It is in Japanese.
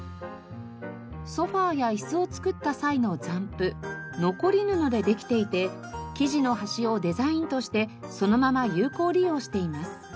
ソファや椅子を作った際の残布残り布でできていて生地の端をデザインとしてそのまま有効利用しています。